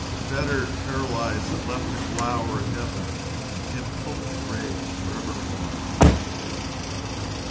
fettered, paralyzed, and left to glower at heaven in impotent rage for evermore!